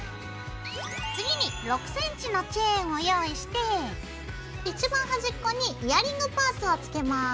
次に６ｃｍのチェーンを用意していちばん端っこにイヤリングパーツをつけます。